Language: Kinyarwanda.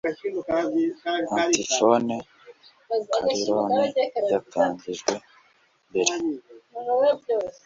Antifone karillon yatangijwe mbere